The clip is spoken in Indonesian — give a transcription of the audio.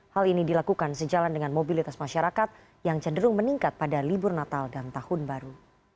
hal ini dilakukan sejalan dengan mobilitas masyarakat yang cenderung meningkat pada libur natal dan tahun baru